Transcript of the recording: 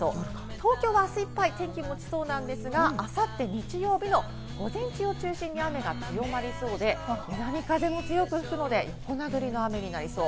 東京明日いっぱい、天気がもちそうなんですが、明後日・日曜日の午前中を中心に雨が強まりそうで、南風も強く吹くので、横殴りの雨になりそう。